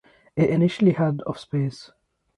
It initially had of space.